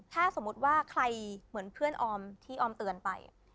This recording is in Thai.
ถ้าสมมุติว่าใครเหมือนเพื่อนออมที่ออมเตือนไป